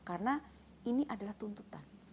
karena ini adalah tuntutan